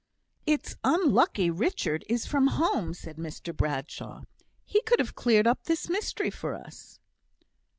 "It's unlucky Richard is from home," said Mr Bradshaw. "He could have cleared up this mystery for us."